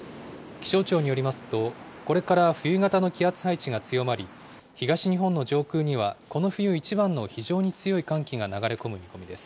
気象庁によりますと、これから冬型の気圧配置が強まり、東日本の上空には、この冬一番の非常に強い寒気が流れ込む見込みです。